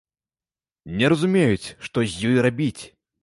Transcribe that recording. Не разумеюць, што з ёй рабіць.